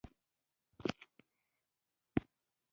نجيبه وبنګېدله.